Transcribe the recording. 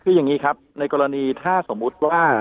คืออย่างนี้ครับในกรณีถ้าสมมุติว่า